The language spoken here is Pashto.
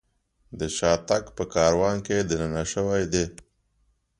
د شاتګ په کاروان کې دننه شوي دي.